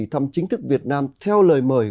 thăm chính thức việt nam theo lời mời